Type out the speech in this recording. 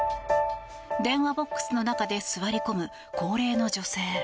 電話ボックスの中で座り込む高齢の女性。